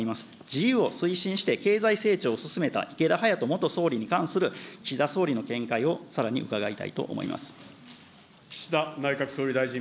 自由を推進して経済成長を進めた池田勇人元総理に関する岸田総理の見解を、さらに伺いたいと思います。